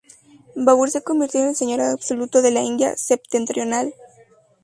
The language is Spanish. Babur se convirtió en el señor absoluto de la India septentrional.